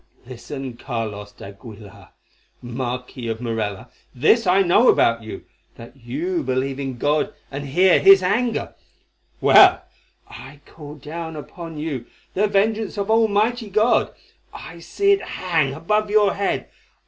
Listen, Carlos d'Aguilar, Marquis of Morella, this I know about you, that you believe in God and hear His anger. Well, I call down upon you the vengeance of Almighty God. I see it hang above your head.